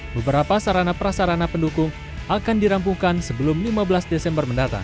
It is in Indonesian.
beberapa sarana prasarana pendukung akan dirampungkan sebelum lima belas desember mendatang